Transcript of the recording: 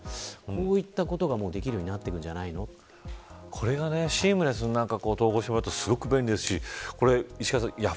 これがシームレスに統合していくとすごく便利ですし石川さん